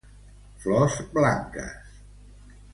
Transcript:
Flors blanques.